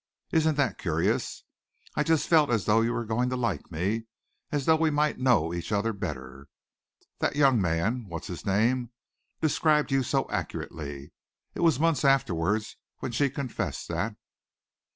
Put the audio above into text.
Isn't that curious? I just felt as though you were going to like me as though we might know each other better. That young man what's his name described you so accurately." It was months afterward when she confessed that.